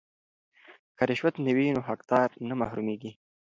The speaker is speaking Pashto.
که رشوت نه وي نو حقدار نه محرومیږي.